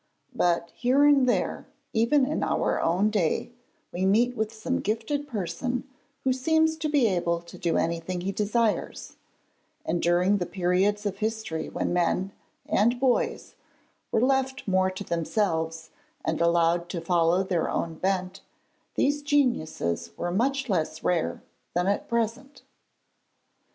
But here and there even in our own day, we meet with some gifted person who seems to be able to do anything he desires, and during the periods of history when men and boys were left more to themselves and allowed to follow their own bent, these geniuses were much less rare than at present.